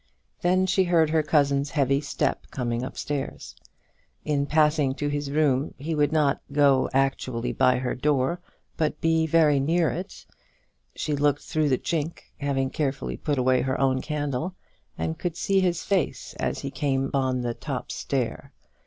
Then she heard her cousin's heavy step coming upstairs. In passing to his room he would not go actually by her door, but would be very near it. She looked through the chink, having carefully put away her own candle, and could see his face as he came upon the top stair.